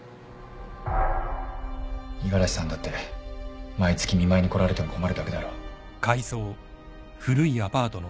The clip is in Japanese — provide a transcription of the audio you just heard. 五十嵐さんだって毎月見舞いに来られても困るだけだろ。